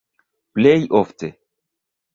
Plej ofte.